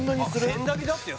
千駄木だってよ